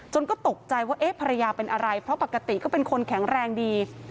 ก็ตกใจว่าเอ๊ะภรรยาเป็นอะไรเพราะปกติก็เป็นคนแข็งแรงดี